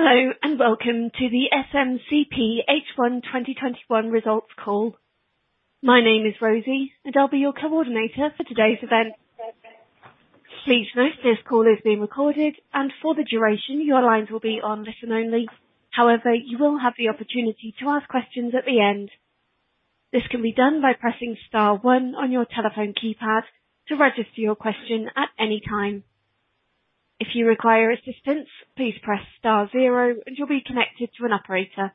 Hello, and welcome to the SMCP H1 2021 results call. My name is Rosie, and I'll be your coordinator for today's event. Please note this call is being recorded, and for the duration, your lines will be on listen-only. However, you will have the opportunity to ask questions at the end. This can be done by pressing star one on your telephone keypad to register your question at any time. If you require assistance, please press star zero, and you'll be connected to an operator.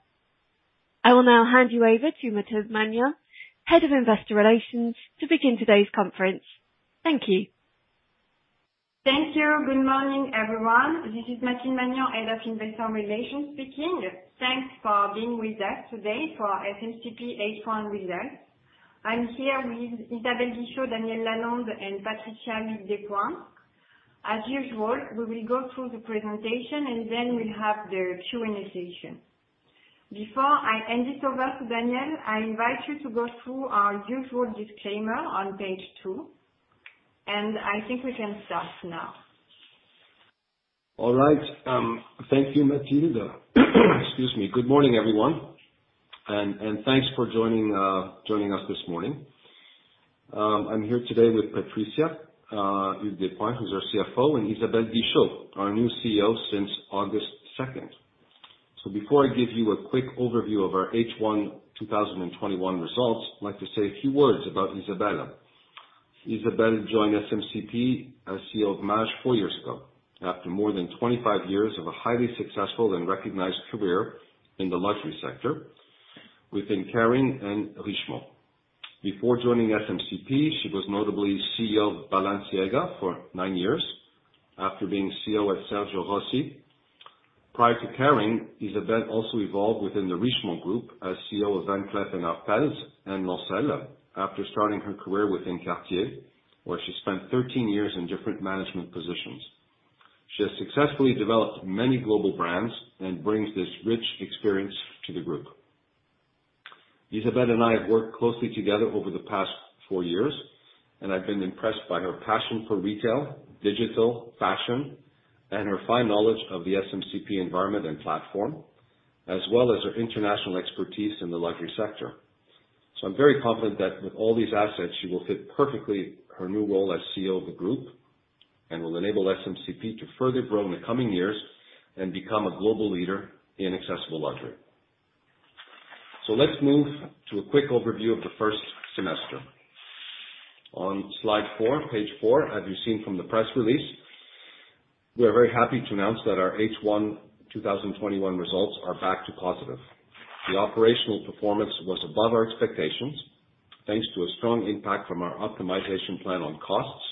I will now hand you over to Mathilde Magnan, Head of Investor Relations, to begin today's conference. Thank you. Thank you. Good morning, everyone. This is Mathilde Magnan, Head of Investor Relations speaking. Thanks for being with us today for SMCP H1 results. I'm here with Isabelle Guichot, Daniel Lalonde, and Patricia Despointes. As usual, we will go through the presentation, and then we'll have the Q&A session. Before I hand it over to Daniel, I invite you to go through our usual disclaimer on page two, and I think we can start now. All right. Thank you, Mathilde. Excuse me. Good morning, everyone, and thanks for joining us this morning. I'm here today with Patricia Despointes, who's our CFO, and Isabelle Guichot, our new CEO since August 2nd. So before I give you a quick overview of our H1 2021 results, I'd like to say a few words about Isabelle. Isabelle joined SMCP as CEO of Maje four years ago after more than 25 years of a highly successful and recognized career in the luxury sector within Kering and Richemont. Before joining SMCP, she was notably CEO of Balenciaga for nine years after being CEO at Sergio Rossi. Prior to Kering, Isabelle also evolved within the Richemont Group as CEO of Van Cleef & Arpels, and Lancel, after starting her career within Cartier, where she spent 13 years in different management positions. She has successfully developed many global brands and brings this rich experience to the group. Isabelle and I have worked closely together over the past four years, and I've been impressed by her passion for retail, digital, fashion, and her fine knowledge of the SMCP environment and platform, as well as her international expertise in the luxury sector. So I'm very confident that with all these assets, she will fit perfectly her new role as CEO of the group and will enable SMCP to further grow in the coming years and become a global leader in accessible luxury. So let's move to a quick overview of the first semester. On slide four, page four, as you've seen from the press release, we are very happy to announce that our H1 2021 results are back to positive. The operational performance was above our expectations thanks to a strong impact from our optimization plan on costs,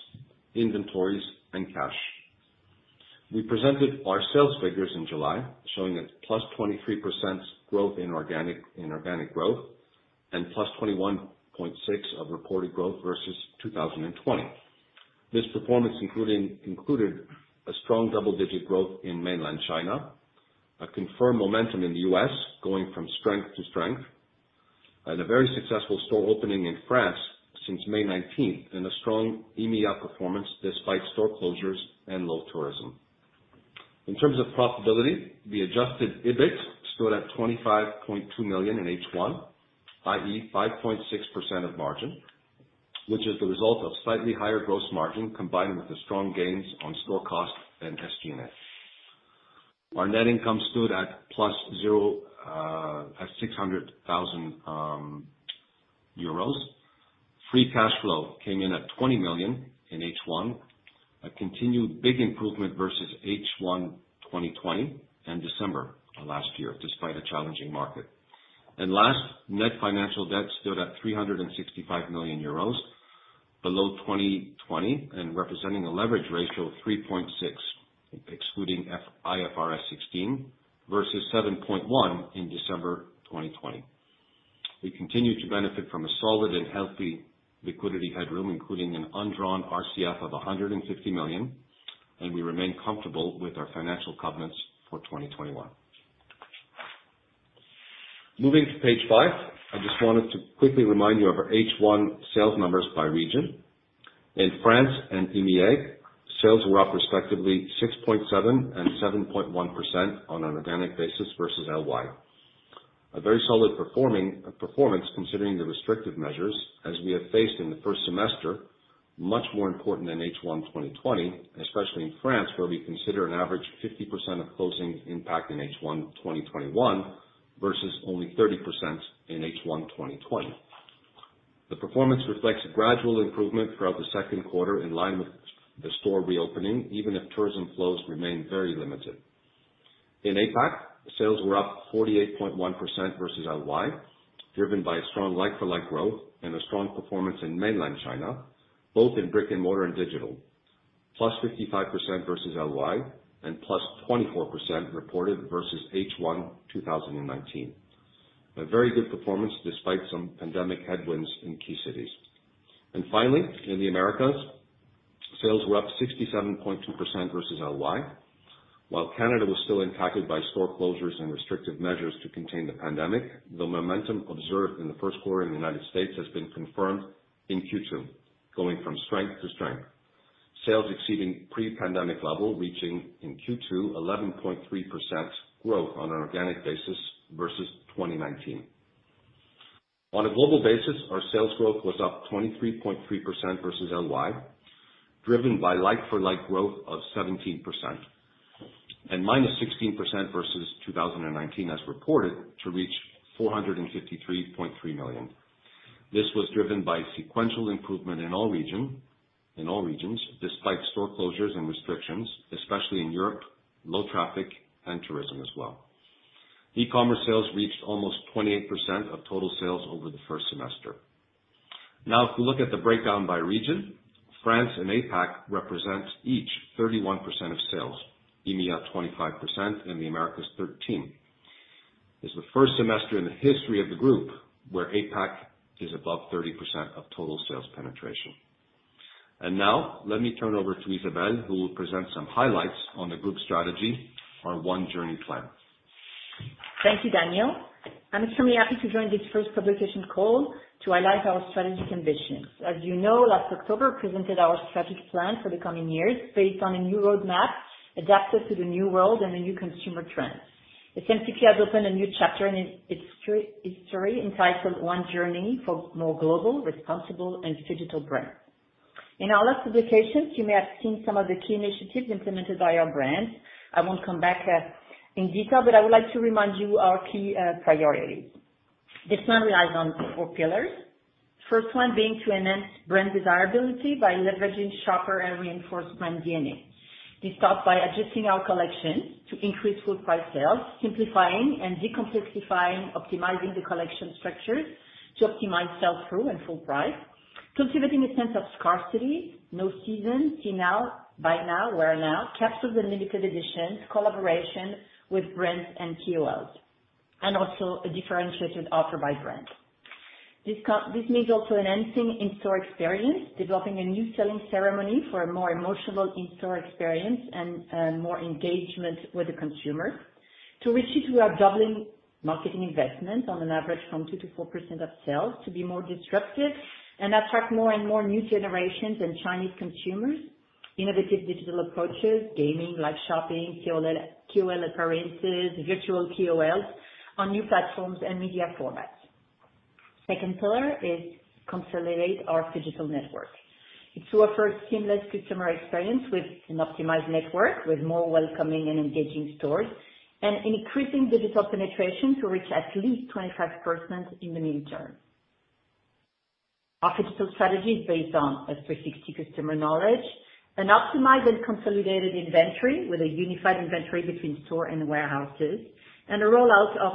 inventories, and cash. We presented our sales figures in July, showing a +23% growth in organic growth and +21.6% of reported growth versus 2020. This performance included a strong double-digit growth in mainland China, a confirmed momentum in the US going from strength to strength, and a very successful store opening in France since 19 May, and a strong EMEA performance despite store closures and low tourism. In terms of profitability, the adjusted EBIT stood at 25.2 million in H1, i.e., 5.6% of margin, which is the result of slightly higher gross margin combined with the strong gains on store costs and SG&A. Our net income stood at +600,000 euros. Free cash flow came in at 20 million in H1, a continued big improvement versus H1 2020 and December last year despite a challenging market, and last, net financial debt stood at 365 million euros, below 2020 and representing a leverage ratio of 3.6, excluding IFRS 16, versus 7.1 in December 2020. We continue to benefit from a solid and healthy liquidity headroom, including an undrawn RCF of 150 million, and we remain comfortable with our financial covenants for 2021. Moving to page five, I just wanted to quickly remind you of our H1 sales numbers by region. In France and EMEA, sales were up respectively 6.7% and 7.1% on an organic basis versus LY, a very solid performance considering the restrictive measures as we have faced in the first semester, much more important than H1 2020, especially in France, where we consider an average 50% of closing impact in H1 2021 versus only 30% in H1 2020. The performance reflects a gradual improvement throughout the Q2 in line with the store reopening, even if tourism flows remain very limited. In APAC, sales were up 48.1% versus LY, driven by strong like-for-like growth and a strong performance in mainland China, both in brick-and-mortar and digital, +55% versus LY, and +24% reported versus H1 2019, a very good performance despite some pandemic headwinds in key cities. And finally, in the Americas, sales were up 67.2% versus LY. While Canada was still impacted by store closures and restrictive measures to contain the pandemic, the momentum observed in the Q1 in the United States has been confirmed in Q2, going from strength to strength, sales exceeding pre-pandemic level, reaching in Q2 11.3% growth on an organic basis versus 2019. On a global basis, our sales growth was up 23.3% versus LY, driven by like-for-like growth of 17% and -16% versus 2019, as reported, to reach 453.3 million. This was driven by sequential improvement in all regions despite store closures and restrictions, especially in Europe, low traffic, and tourism as well. E-commerce sales reached almost 28% of total sales over the first semester. Now, if we look at the breakdown by region, France and APAC represent each 31% of sales, EMEA 25%, and the Americas 13%. It's the first semester in the history of the group where APAC is above 30% of total sales penetration. And now, let me turn over to Isabelle, who will present some highlights on the group strategy, our One Journey plan. Thank you, Daniel. I'm extremely happy to join this first publication call to highlight our strategic ambitions. As you know, last October we presented our strategic plan for the coming years based on a new roadmap adapted to the new world and the new consumer trends. SMCP has opened a new chapter in its history entitled One Journey for More Global, Responsible, and Digital Brands. In our last publication, you may have seen some of the key initiatives implemented by our brands. I won't come back in detail, but I would like to remind you of our key priorities. This plan relies on four pillars, the first one being to enhance brand desirability by leveraging shopper and reinforcement DNA. This starts by adjusting our collection to increase full-price sales, simplifying and decomplexifying, optimizing the collection structures to optimize sell-through and full price, cultivating a sense of scarcity, no season, See Now, Buy Now, Wear Now, Capsules and Limited Editions, collaboration with brands and KOL, and also a differentiated offer by brand. This means also enhancing in-store experience, developing a new selling ceremony for a more emotional in-store experience and more engagement with the consumer. To reach it, we are doubling marketing investment on an average from 2% to 4% of sales to be more disruptive and attract more and more new generations and Chinese consumers, innovative digital approaches, gaming, live shopping, KOL appearances, virtual KOL on new platforms and media formats. The second pillar is to consolidate our digital network. It's to offer a seamless customer experience with an optimized network, with more welcoming and engaging stores, and increasing digital penetration to reach at least 25% in the near term. Our digital strategy is based on 360 customer knowledge, an optimized and consolidated inventory with a unified inventory between store and warehouses, and a rollout of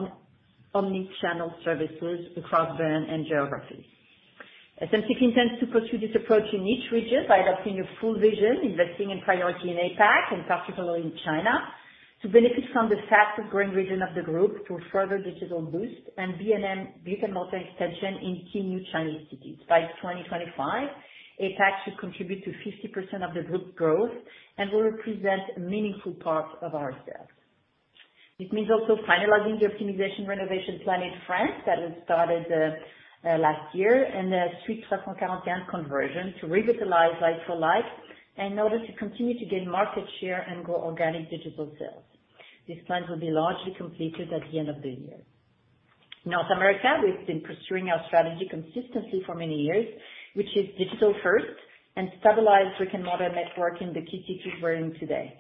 omnichannel services across brand and geography. SMCP intends to pursue this approach in each region by adopting a full vision, investing in priority in APAC, and particularly in China, to benefit from the fastest-growing region of the group through further digital boost and both brick-and-mortar extension in key new Chinese cities. By 2025, APAC should contribute to 50% of the group's growth and will represent a meaningful part of our sales. This means also finalizing the optimization renovation plan in France that was started last year and the Suite 341 conversion to revitalize like-for-like in order to continue to gain market share and grow organic digital sales. This plan will be largely completed at the end of the year. In North America, we've been pursuing our strategy consistently for many years, which is digital-first and stabilized brick-and-mortar network in the key cities we're in today.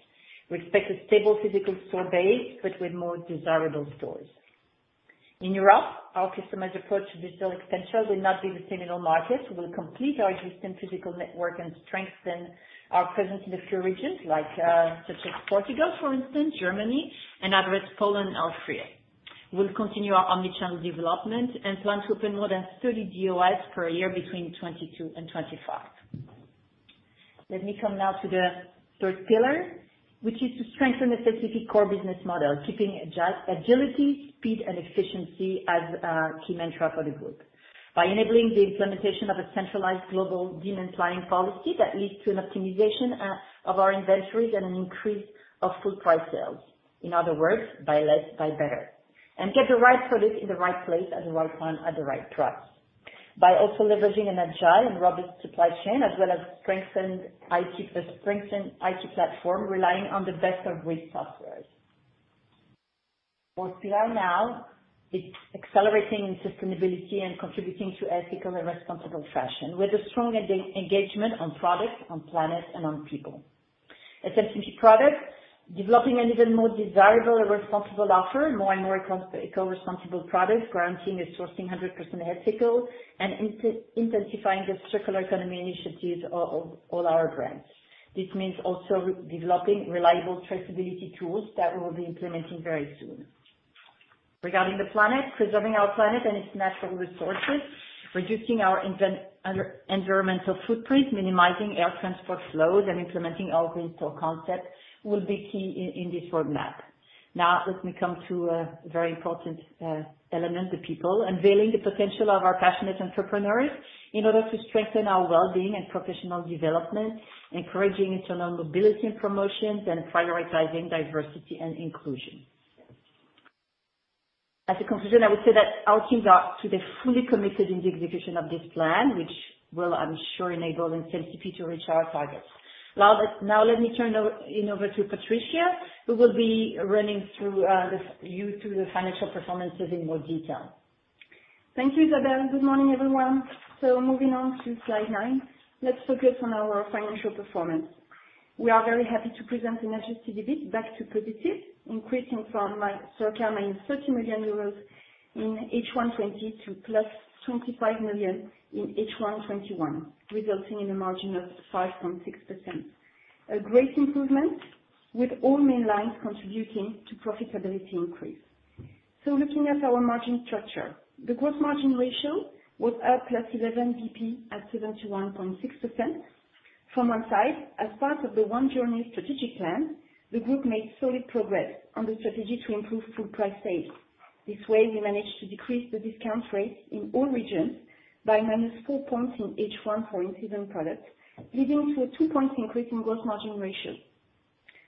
We expect a stable physical store base but with more desirable stores. In Europe, our customers' approach to digital extension will not be the same in all markets. We'll complete our existing physical network and strengthen our presence in a few regions such as Portugal, for instance, Germany, and other Poland and Austria. We'll continue our omnichannel development and plan to open more than 30 DOS per year between 2022 and 2025. Let me come now to the third pillar, which is to strengthen the SMCP core business model, keeping agility, speed, and efficiency as key mantra for the group by enabling the implementation of a centralized global demand planning policy that leads to an optimization of our inventories and an increase of full-price sales. In other words, by better getting the right product in the right place at the right time at the right price by also leveraging an agile and robust supply chain as well as a strengthened IT platform relying on the best-of-breed software. Fourth pillar now, it's accelerating sustainability and contributing to ethical and responsible fashion with a strong engagement on product, on planet, and on people. SMCP products developing an even more desirable and responsible offer, more and more eco-responsible products, guaranteeing a sourcing 100% ethical and intensifying the circular economy initiatives of all our brands. This means also developing reliable traceability tools that we will be implementing very soon. Regarding the planet, preserving our planet and its natural resources, reducing our environmental footprint, minimizing air transport flows, and implementing our Green Store concept will be key in this roadmap. Now, let me come to a very important element, the people, unveiling the potential of our passionate entrepreneurs in order to strengthen our well-being and professional development, encouraging internal mobility and promotions, and prioritizing diversity and inclusion. As a conclusion, I would say that our teams are today fully committed in the execution of this plan, which will, I'm sure, enable SMCP to reach our targets. Now, let me turn it over to Patricia, who will be running you through the financial performances in more detail. Thank you, Isabelle. Good morning, everyone. So moving on to slide nine, let's focus on our financial performance. We are very happy to present an adjusted EBIT back to positive, increasing from circa -30 million euros in H1 2020 to plus 25 million in H1 2021, resulting in a margin of 5.6%. A great improvement with all main lines contributing to profitability increase. So looking at our margin structure, the gross margin ratio was up plus 11 basis points at 71.6%. From one side, as part of the One Journey strategic plan, the group made solid progress on the strategy to improve full-price sales. This way, we managed to decrease the discount rates in all regions by -4 points in H1 for in-store products, leading to a 2-point increase in gross margin ratio.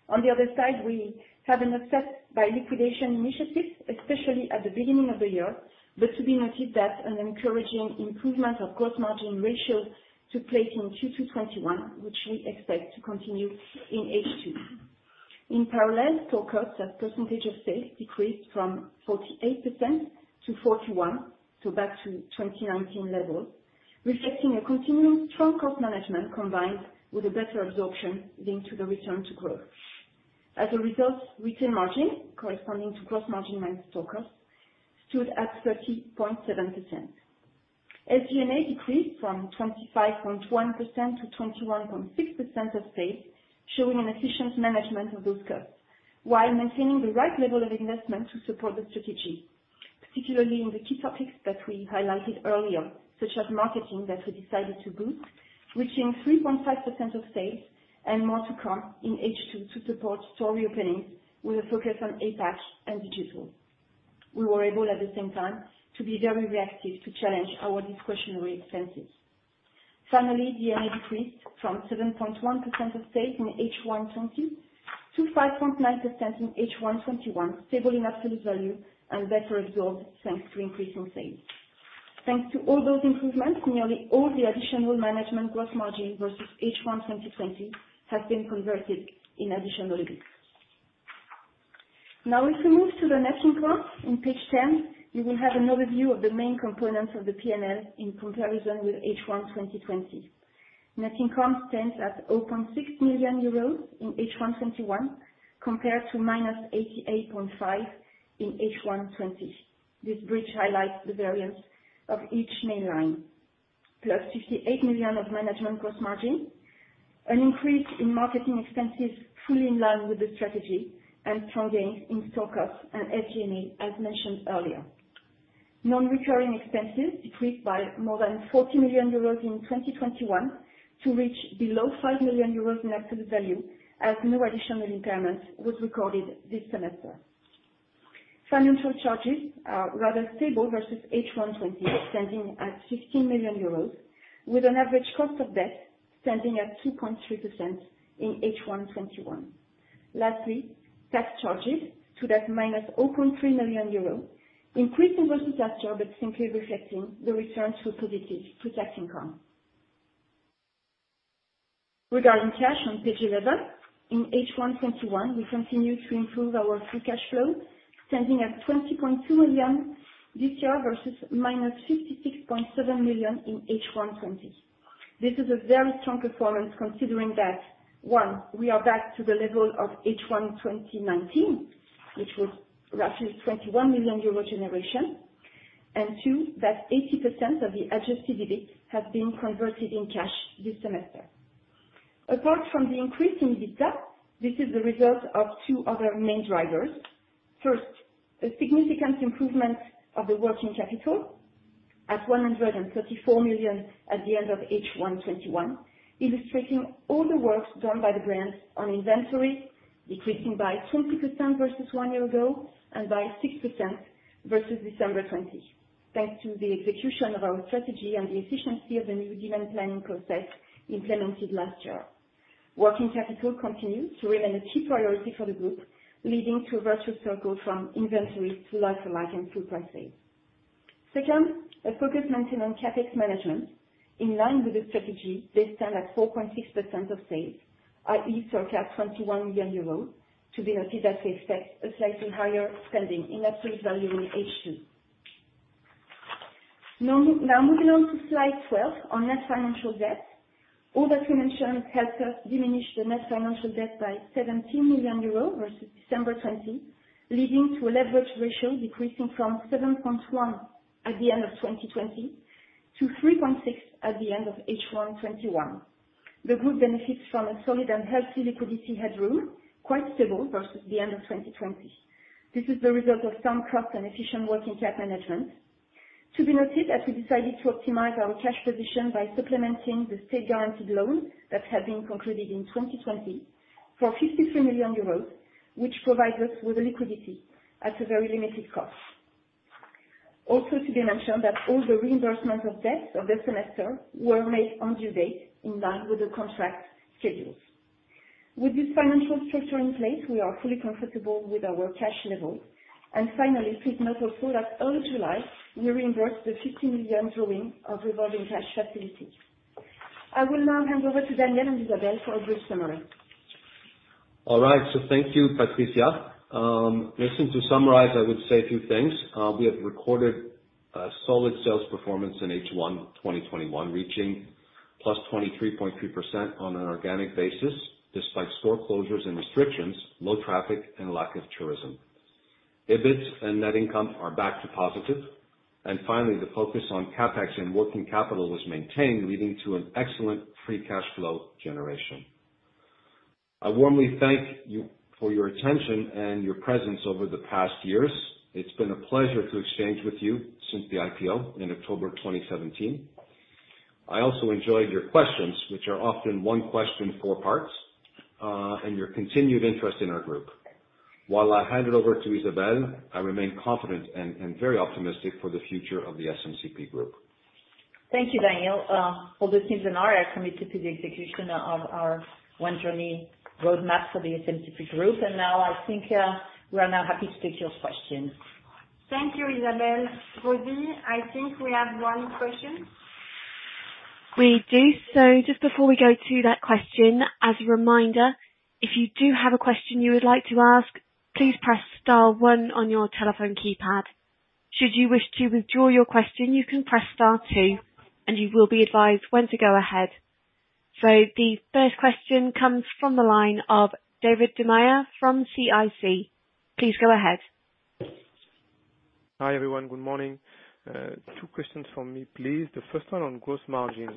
On the other side, we have an offset by liquidation initiatives, especially at the beginning of the year, but to be noted that an encouraging improvement of gross margin ratio took place in Q2 2021, which we expect to continue in H2. In parallel, store costs as percentage of sales decreased from 48% to 41%, so back to 2019 levels, reflecting a continuing strong cost management combined with a better absorption linked to the return to growth. As a result, retail margin corresponding to gross margin minus store costs stood at 30.7%. SG&A decreased from 25.1% to 21.6% of sales, showing an efficient management of those costs while maintaining the right level of investment to support the strategy, particularly in the key topics that we highlighted earlier, such as marketing that we decided to boost, reaching 3.5% of sales and more to come in H2 to support store re-openings with a focus on APAC and digital. We were able at the same time to be very reactive to challenge our discretionary expenses. Finally, D&A decreased from 7.1% of sales in H1 2020 to 5.9% in H1 2021, stable in absolute value and better absorbed thanks to increasing sales. Thanks to all those improvements, nearly all the additional management gross margin versus H1 2020 has been converted in additional EBITs. Now, if we move to the net income, in page 10, you will have an overview of the main components of the P&L in comparison with H1 2020. Net income stands at 0.6 million euros in H1 2021 compared to -88.5 in H1 2020. This bridge highlights the variance of each main line, plus 58 million of management gross margin, an increase in marketing expenses fully in line with the strategy, and strong gains in store costs and SG&A, as mentioned earlier. Non-recurring expenses decreased by more than 40 million euros in 2021 to reach below 5 million euros in absolute value as no additional impairments were recorded this semester. Financial charges are rather stable versus H1 2020, standing at 15 million euros, with an average cost of debt standing at 2.3% in H1 2021. Lastly, tax charges to that -0.3 million euros increased versus last year, but simply reflecting the return to positive net income. Regarding cash on page 11, in H1 2021, we continue to improve our free cash flow, standing at 20.2 million this year versus -56.7 million in H1 2020. This is a very strong performance considering that, one, we are back to the level of H1 2019, which was roughly 21 million euro generation, and two, that 80% of the Adjusted EBIT has been converted in cash this semester. Apart from the increase in EBITDA, this is the result of two other main drivers. First, a significant improvement of the working capital at 134 million at the end of H1 2021, illustrating all the work done by the brands on inventory, decreasing by 20% versus one year ago and by 6% versus December 2020, thanks to the execution of our strategy and the efficiency of the new demand planning process implemented last year. Working capital continues to remain a key priority for the group, leading to a virtuous circle from inventory to like-for-like and full-price sales. Second, a focus maintained on CapEx management in line with the strategy based on that 4.6% of sales, i.e., circa 21 million euros. To be noted that we expect a slightly higher spending in absolute value in H2. Now, moving on to slide 12 on net financial debt. All that we mentioned helped us diminish the net financial debt by 17 million euros versus December 2020, leading to a leverage ratio decreasing from 7.1 at the end of 2020 to 3.6 at the end of H1 2021. The group benefits from a solid and healthy liquidity headroom, quite stable versus the end of 2020. This is the result of some cost and efficient working capital management. To be noted that we decided to optimize our cash position by supplementing the state-guaranteed loan that had been concluded in 2020 for 53 million euros, which provides us with liquidity at a very limited cost. Also, to be mentioned that all the reimbursements of debts of this semester were made on due date in line with the contract schedules. With this financial structure in place, we are fully comfortable with our cash level. Finally, please note also that early July, we reimbursed the 50 million drawing of revolving credit facility. I will now hand over to Daniel and Isabelle for a brief summary. All right. So thank you, Patricia. Just to summarize, I would say a few things. We have recorded solid sales performance in H1 2021, reaching +23.3% on an organic basis despite store closures and restrictions, low traffic, and lack of tourism. EBIT and net income are back to positive. And finally, the focus on CapEx and working capital was maintained, leading to an excellent free cash flow generation. I warmly thank you for your attention and your presence over the past years. It's been a pleasure to exchange with you since the IPO in October 2017. I also enjoyed your questions, which are often one question, four parts, and your continued interest in our group. While I hand it over to Isabelle, I remain confident and very optimistic for the future of the SMCP Group. Thank you, Danielle. For this webinar, I committed to the execution of our One Journey roadmap for the SMCP Group. And now, I think we are now happy to take your questions. Thank you, Isabelle. Rosie, I think we have one question. We do. So just before we go to that question, as a reminder, if you do have a question you would like to ask, please press star one on your telephone keypad. Should you wish to withdraw your question, you can press star two, and you will be advised when to go ahead. So the first question comes from the line of David Da Maia from CIC. Please go ahead. Hi, everyone. Good morning. Two questions for me, please. The first one on gross margin.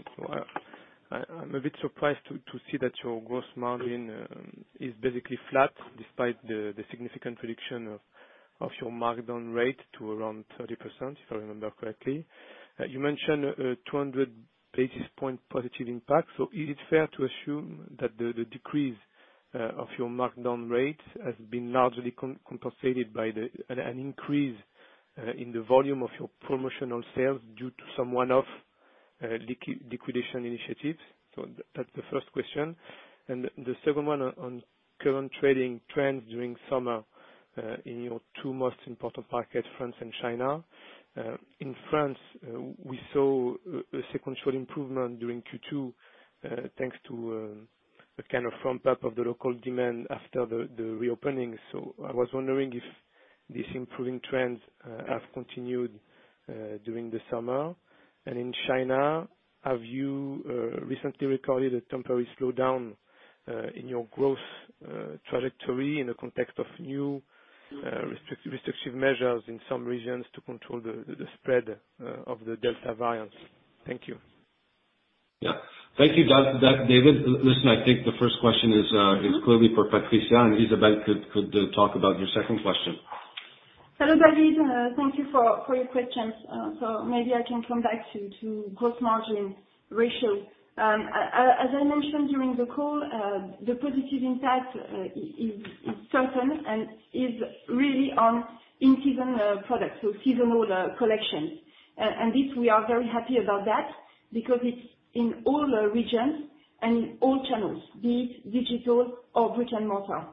I'm a bit surprised to see that your gross margin is basically flat despite the significant reduction of your markdown rate to around 30%, if I remember correctly. You mentioned 200 basis points positive impact. So is it fair to assume that the decrease of your markdown rate has been largely compensated by an increase in the volume of your promotional sales due to some one-off liquidation initiatives? So that's the first question. And the second one on current trading trends during summer in your two most important markets, France and China. In France, we saw a sequential improvement during Q2 thanks to a kind of ramp-up of the local demand after the reopening. So I was wondering if these improving trends have continued during the summer. In China, have you recently recorded a temporary slowdown in your growth trajectory in the context of new restrictive measures in some regions to control the spread of the Delta variant? Thank you. Yeah. Thank you, David. Listen, I think the first question is clearly for Patricia, and Isabelle could talk about your second question. Hello, David. Thank you for your questions. So maybe I can come back to gross margin ratio. As I mentioned during the call, the positive impact is certain and is really on in-season products, so seasonal collections. And we are very happy about that because it's in all regions and in all channels, be it digital or brick-and-mortar.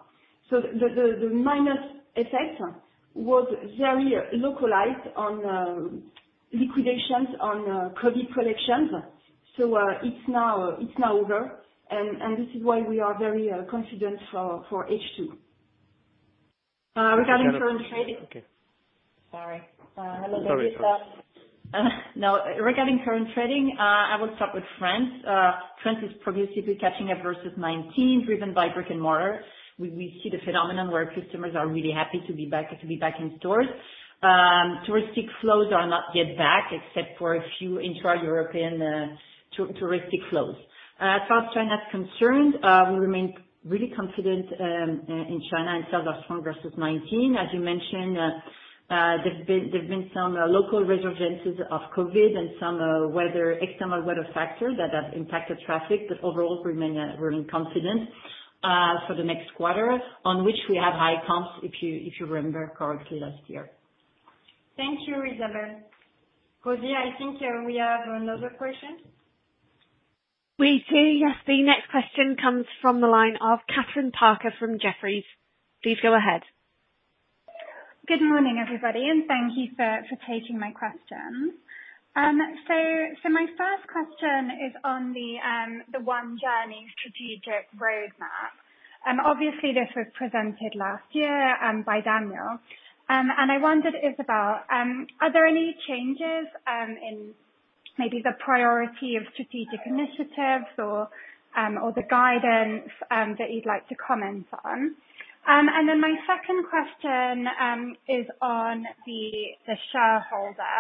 So the minus effect was very localized on liquidations on COVID collections. So it's now over, and this is why we are very confident for H2. Regarding current trading. Okay. Sorry. Hello, David. Sorry. No, regarding current trading, I will start with France. France is progressively catching up versus 2019, driven by brick-and-mortar. We see the phenomenon where customers are really happy to be back in stores. Touristic flows are not yet back, except for a few intra-European touristic flows. As far as China is concerned, we remain really confident in China. Its sales are strong versus 2019. As you mentioned, there've been some local resurgences of COVID and some external weather factors that have impacted traffic, but overall, we remain confident for the next quarter, on which we have high comps, if you remember correctly, last year. Thank you, Isabelle. Rosie, I think we have another question. Rosie, yes, the next question comes from the line of Kathryn Parker from Jefferies. Please go ahead. Good morning, everybody, and thank you for taking my question. So my first question is on the One Journey strategic roadmap. Obviously, this was presented last year by Daniel. And I wondered, Isabelle, are there any changes in maybe the priority of strategic initiatives or the guidance that you'd like to comment on? And then my second question is on the shareholder,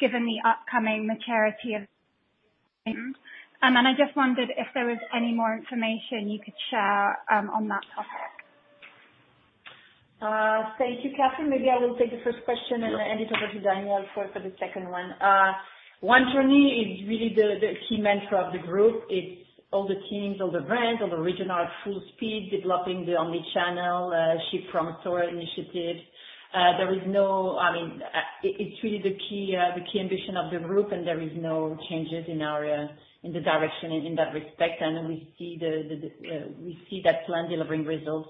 given the upcoming maturity of the fund. And I just wondered if there was any more information you could share on that topic. Thank you, Kathryn. Maybe I will take the first question and hand it over to Danielle for the second one. One Journey is really the key mantra of the group. It's all the teams, all the brands, all the regional full-speed developing the omnichannel ship-from-store initiative. There is no, I mean, it's really the key ambition of the group, and there are no changes in the direction in that respect. And we see that plan delivering results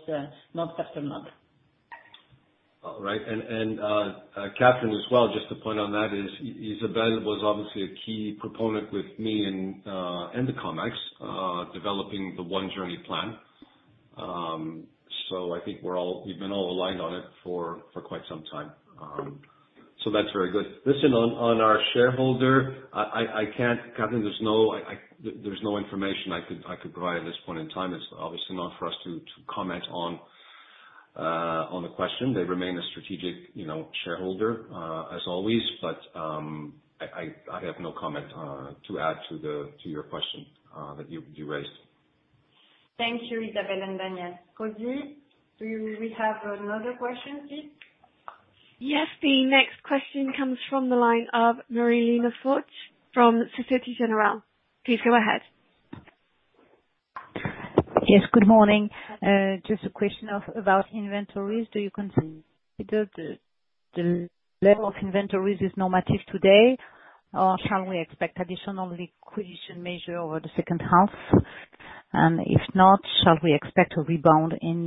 month after month. All right. And Kathryn as well, just to point on that, Isabelle was obviously a key proponent with me and the Comex developing the One Journey plan. So I think we've been all aligned on it for quite some time. So that's very good. Listen, on our shareholder, I can't. Kathryn, there's no information I could provide at this point in time. It's obviously not for us to comment on the question. They remain a strategic shareholder, as always, but I have no comment to add to your question that you raised. Thank you, Isabelle and Daniel. Rosie, do we have another question, please? Yes, the next question comes from the line of Marie-Line Fort from Société Générale. Please go ahead. Yes, good morning. Just a question about inventories. Do you consider the level of inventories is normative today, or shall we expect additional liquidation measure over the second half? And if not, shall we expect a rebound in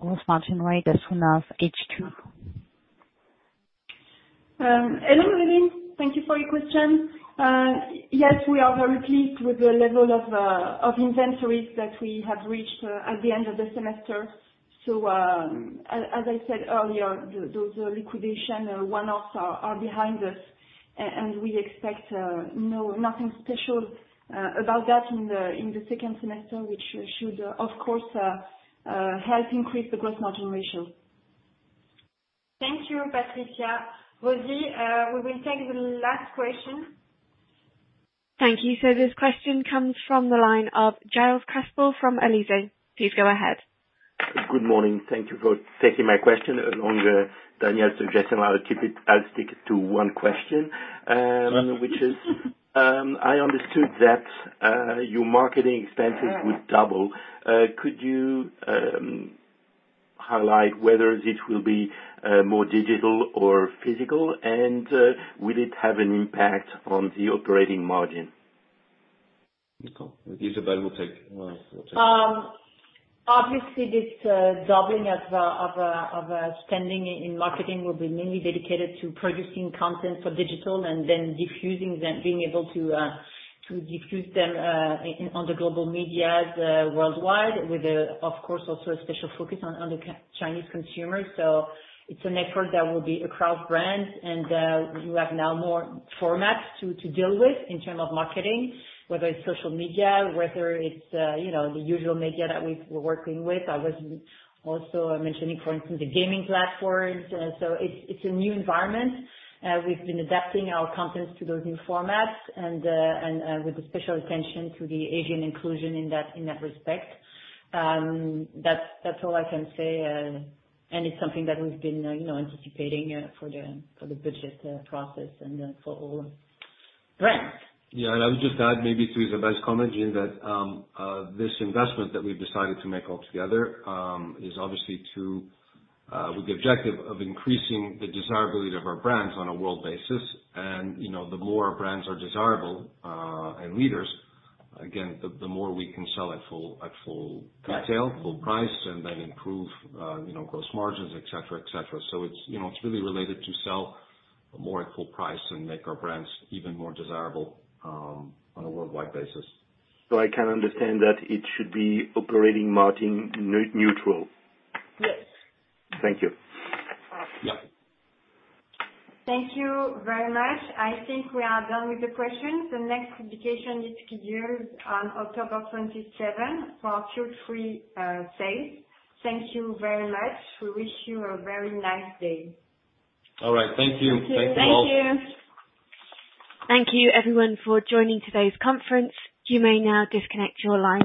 gross margin rate as soon as H2? Hello everyone. Thank you for your question. Yes, we are very pleased with the level of inventories that we have reached at the end of the semester. So as I said earlier, those liquidation one-offs are behind us, and we expect nothing special about that in the second semester, which should, of course, help increase the gross margin ratio. Thank you, Patricia. Rosie, we will take the last question. Thank you. So this question comes from the line of Gilles Crespel from Elizé. Please go ahead. Good morning. Thank you for taking my question. Along with Daniel's suggestion, I'll stick to one question, which is, I understood that your marketing expenses would double. Could you highlight whether it will be more digital or physical, and will it have an impact on the operating margin? Isabelle will take it. Obviously, this doubling of spending in marketing will be mainly dedicated to producing content for digital and then diffusing them, being able to diffuse them on the global media worldwide, with, of course, also a special focus on the Chinese consumers. So it's an effort that will be across brands, and you have now more formats to deal with in terms of marketing, whether it's social media, whether it's the usual media that we're working with. I was also mentioning, for instance, the gaming platforms. So it's a new environment. We've been adapting our contents to those new formats and with the special attention to the Asian inclusion in that respect. That's all I can say, and it's something that we've been anticipating for the budget process and for all brands. Yeah. And I would just add maybe to Isabelle's comment, that this investment that we've decided to make altogether is obviously with the objective of increasing the desirability of our brands on a world basis. And the more brands are desirable and leaders, again, the more we can sell at full throttle, full price, and then improve gross margins, etc., etc. So it's really related to sell more at full price and make our brands even more desirable on a worldwide basis. So I can understand that it should be operating margin neutral. Yes. Thank you. Yeah. Thank you very much. I think we are done with the questions. The next publication is scheduled on October 27 for Q3 sales. Thank you very much. We wish you a very nice day. All right. Thank you. Thank you. Thank you. Thank you, everyone, for joining today's conference. You may now disconnect your lines.